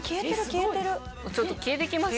ちょっと消えてきました。